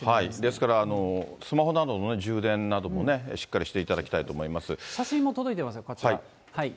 ですから、スマホなどの充電などもしっかりしていただきたい写真も届いてます、こちら。